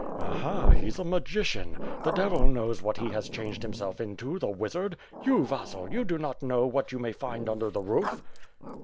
"Aha! He's a magician. The devil knows what he has changed himself into, the wizard. You, Vasil, you do not know what you may find under the roof."